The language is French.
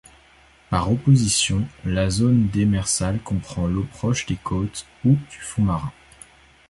Par opposition, la zone démersale comprend l'eau proche des côtes ou du fond marin.